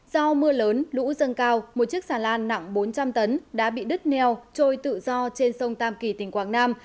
do mưa lớn lũ dâng cao một chiếc xà lan nặng bốn trăm linh tấn đã bị đứt neo trôi tự do trên sông tam kỳ tỉnh quảng nam